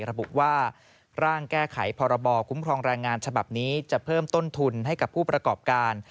ระบุว่าร่างแก้ไขพรบคุ้มครองแรงงานฉบับนี้จะเพิ่มต้นทุนให้กับผู้ประกอบการ